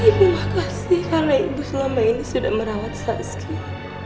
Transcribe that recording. ibu makasih karena ibu selama ini sudah merawat saskia